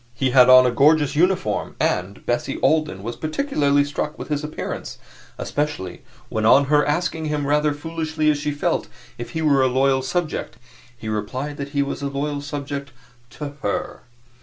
He had on a gorgeous uniform, and Bessie Alden was particularly struck with his appearance especially when on her asking him, rather foolishly as she felt, if he were a loyal subject, he replied that he was a loyal subject to HER.